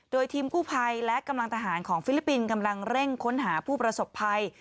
โดยทีมกู้ภัยและกำลังทหารของฟิลิปปินส์กำลังเร่งค้นหาผู้ประสบภัย